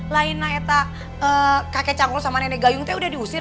lainnya itu kakek cangkul sama nenek gayung tuh udah diusir